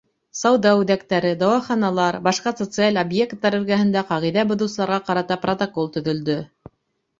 Сауҙа үҙәктәре, дауаханалар, башҡа социаль объекттар эргәһендә ҡағиҙә боҙоусыларға ҡарата протокол төҙөлдө.